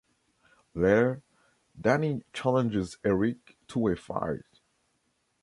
Later, Danny challenges Eric to a fight.